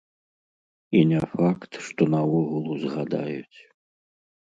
І не факт, што наогул узгадаюць.